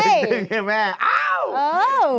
เรื่องแก่แม่งโอ้ว